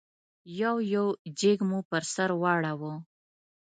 یو یو جېک مو پر سر واړاوه.